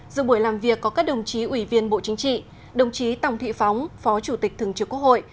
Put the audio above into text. dự buổi làm việc có các đồng chí ủy viên bộ chính trị đồng chí tòng thị phóng phó chủ tịch thường trực quốc hội